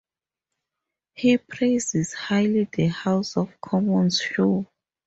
He praises highly the House of Commons show.